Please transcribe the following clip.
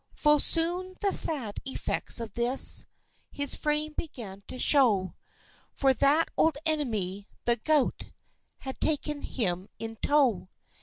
Full soon the sad effects of this His frame began to show, For that old enemy the gout Had taken him in toe!